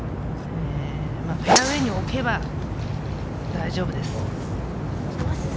フェアウエーに置けば大丈夫です。